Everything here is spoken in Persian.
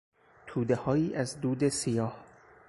تودههایی از دود سیاه